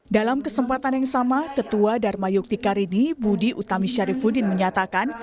dalam kesempatan yang sama ketua dharma yukti karini budi utami syarifudin menyatakan